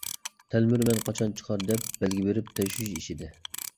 تەلمۈرىمەن قاچان چىقار دەپ بەلگە بېرىپ تەشۋىش ئىچىدە.